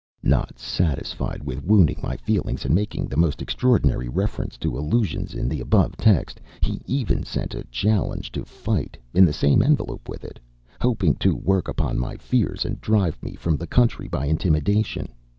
Not satisfied with wounding my feelings by making the most extraordinary reference to allusions in the above note, he even sent a challenge to fight, in the same envelop with it, hoping to work upon my fears and drive me from the country by intimidation.